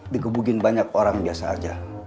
digebukin banyak orang biasa aja